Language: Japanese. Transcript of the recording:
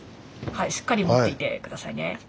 しっかり持っていて下さいね。